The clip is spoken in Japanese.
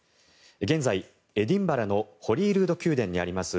現在、エディンバラのホリールード宮殿にあります